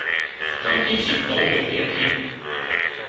今天是倒楣的一天